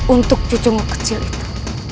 untuk cucumu kecil itu